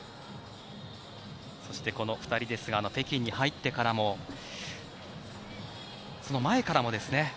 そして、この２人ですが北京に入ってからもその前からもですね。